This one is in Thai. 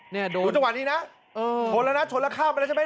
เนี้ยโดนจังหวะนี้น่ะเอิ่มชนแล้วน่ะชนแล้วข้ามไปแล้วจะไม่